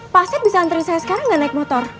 pak aset bisa anterin saya sekarang gak naik motor